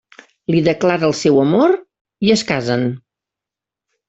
Li declara el seu amor i es casen.